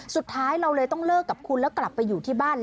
สุดท้ายเราเลยต้องเลิกกับคุณแล้วกลับไปอยู่ที่บ้าน